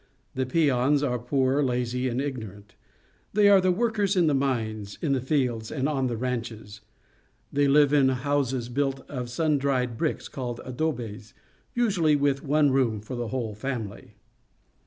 The peons are poor, lazy, and ignorant. They are the workers in the mines, in the fields, and on the ranches. They live in houses built of sun dried bricks, called adobes, usually with one room for the whole family.